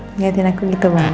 lihat aku gitu banget